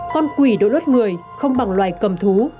con quỷ đối lốt người không bằng loài cầm thú